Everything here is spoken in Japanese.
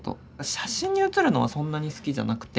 写真に写るのはそんなに好きじゃなくて。